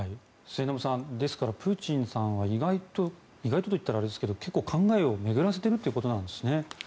末延さんですからプーチンさんは意外と意外とといったらあれですが結構、考えを巡らせているということなんですね。